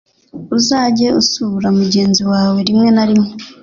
Uzajye usura mugenzi wawe rimwe na rimwe